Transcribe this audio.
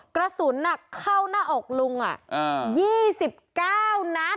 กระสุนเข้าหน้าอกลุง๒๙นัด